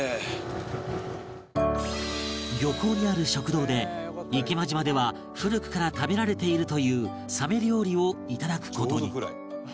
漁港にある食堂で池間島では古くから食べられているというサメ料理をいただくことに